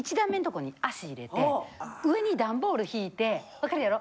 わかるやろ？